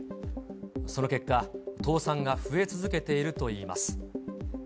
その結果、倒産が増え続けているといいます。